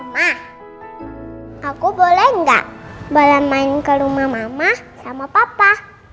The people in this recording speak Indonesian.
ma aku boleh gak balan main ke rumah mama sama papa